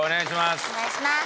お願いします。